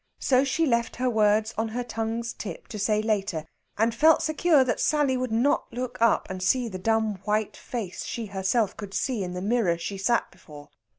So she left her words on her tongue's tip to say later, and felt secure that Sally would not look up and see the dumb white face she herself could see in the mirror she sat before.